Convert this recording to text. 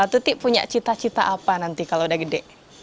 tutik punya cita cita apa nanti kalau udah gede